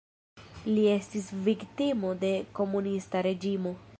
Li estis viktimo de komunista reĝimo.